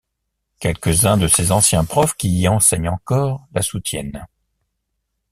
Quelques-uns de ses anciens profs qui y enseignent encore la soutiennent.